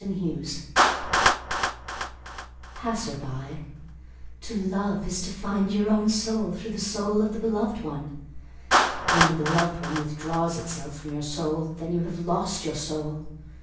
Mary McNeely Passer by, To love is to find your own soul Through the soul of the beloved one. When the beloved one withdraws itself from your soul Then you have lost your soul.